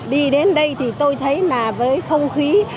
đi đến đây thì tôi thấy là với không khí